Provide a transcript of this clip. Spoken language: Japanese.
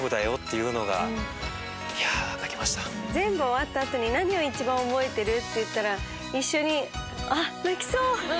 全部終わった後に「何を一番覚えてる？」っていったら一緒にあっ泣きそう！